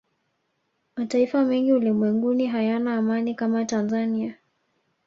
mataifa mengi ulimwenguni hayana amani kama tanzania